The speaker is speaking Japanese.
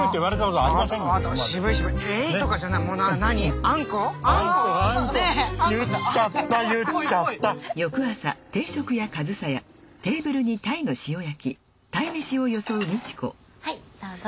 はいどうぞ。